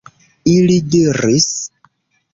Ili diris: